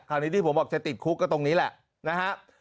ที่ผมบอกจะติดคุกก็ตรงนี้แหละนะฮะ